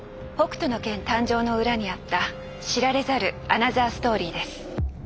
誕生の裏にあった知られざるアナザーストーリーです。